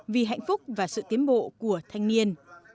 vì hạnh phúc và sự tiến bộ của thanh niên